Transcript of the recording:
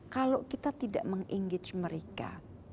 kalau kita tidak meng engage mereka